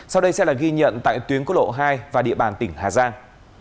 sau đây sẽ là ghi nhận tại tuyến quốc lộ hai và địa bàn tỉnh hà giang